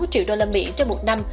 bốn mươi sáu triệu đô la mỹ trên một năm